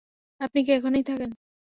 আপনি কি এখানেই থাকেন?